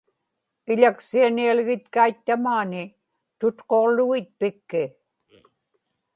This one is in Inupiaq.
iḷaksianialgitkait tamaani tutquġlugit pikki